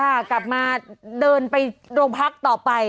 กลับมาเดินไปโรงพักต่อไป